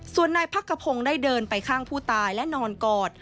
ส่วนนายพักกระพงศ์ได้เดินไปข้างผู้ตายและนอนกอด